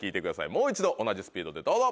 もう一度同じスピードでどうぞ。